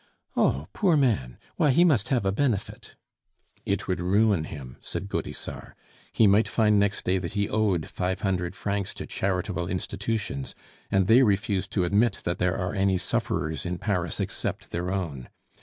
"Oh! poor man; why, he must have a benefit." "It would ruin him," said Gaudissart. "He might find next day that he owed five hundred francs to charitable institutions, and they refuse to admit that there are any sufferers in Paris except their own.